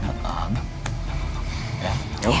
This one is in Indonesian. kamu gak mau kita selamatkan